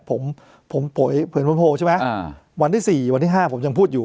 ผมปล่อยผลโพงใช่ไหมวันที่๔วันที่๕ผมยังพูดอยู่